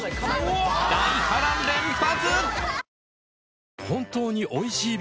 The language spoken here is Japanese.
大波乱連発！